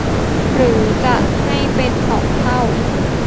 หรือจะให้เป็นสองเท่า